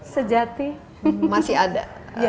sejati masih ada